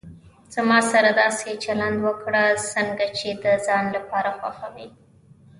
زما سره داسي چلند وکړه، څنګه چي د ځان لپاره خوښوي.